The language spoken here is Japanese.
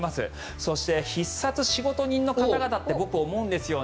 そして「必殺仕事人」の方々って僕、思うんですよね